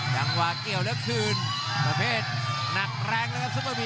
อย่าหลวนนะครับที่เตือนทางด้านยอดปรับศึกครับ